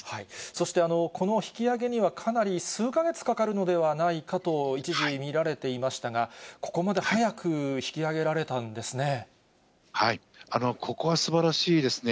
そして、この引き揚げにはかなり数か月かかるのではないかと、一時見られていましたが、ここまここはすばらしいですね。